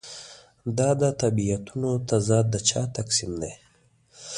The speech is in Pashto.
دا د طبیعتونو تضاد د چا تقسیم دی.